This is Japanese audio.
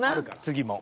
次も。